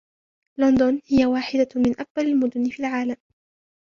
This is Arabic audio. لندن هي واحدة من أكبر المدن في العالم.